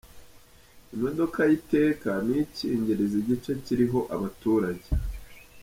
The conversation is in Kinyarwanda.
Imodoka ye iteka niyo ikingiriza igice kiriho abaturage.